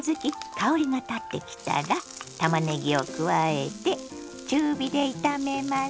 香りがたってきたらたまねぎを加えて中火で炒めます。